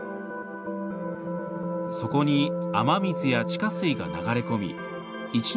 そこに雨水や地下水が流れ込み１日